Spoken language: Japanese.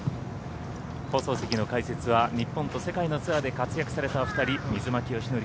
放送席の解説は日本と世界のツアーで活躍されたお２人水巻善典